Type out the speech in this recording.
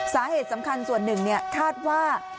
สาเหตุสำคัญส่วนหนึ่งคาดว่า